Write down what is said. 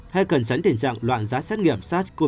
hay cần sắn tình trạng loạn giá xét nghiệm sars cov hai